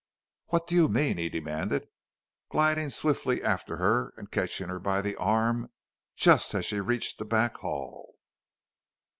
"What do you mean?" he demanded, gliding swiftly after her and catching her by the arm just as she reached the back hall.